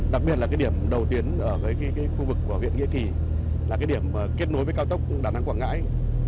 đặc biệt là cái điểm đầu tuyến ở cái khu vực của viện nghĩa kỳ là cái điểm kết nối với cao tốc đà nẵng quảng ngãi